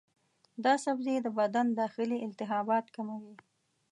دا سبزی د بدن داخلي التهابات کموي.